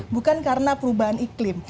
bukan karena perubahan iklim